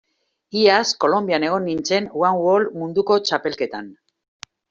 Iaz Kolonbian egon nintzen one wall munduko txapelketan.